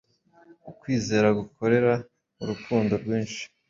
Ukwizera gukorera mu rukundo rwinshi